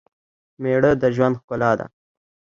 مېړه دژوند ښکلا ده